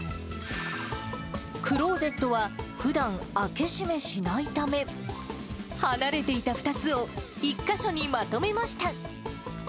クローゼットは、ふだん開け閉めしないため、離れていた２つを１か所にまとめました。